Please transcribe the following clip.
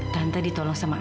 kan dia dumba